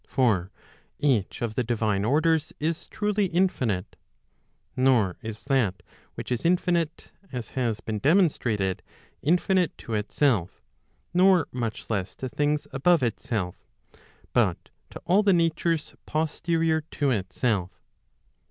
For each of the divine orders is truly infinite.* Nor is that which is infinite, as has been demonstrated, 1 infinite to itself, nor much less to things above itself, but to all the natures posterior to itself.